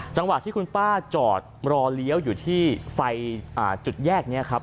จังหวะที่คุณป้าจอดรอเลี้ยวอยู่ที่ไฟจุดแยกนี้ครับ